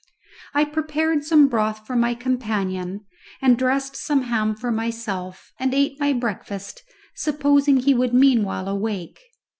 I prepared some broth for my companion, and dressed some ham for myself, and ate my breakfast, supposing he would meanwhile awake.